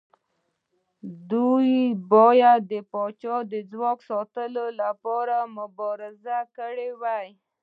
دوی باید د پاچا د ځواک ساتلو لپاره مبارزه کړې وای.